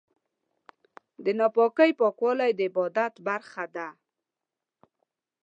د ناپاکۍ پاکوالی د عبادت برخه ده.